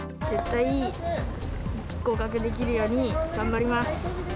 絶対合格できるように頑張ります。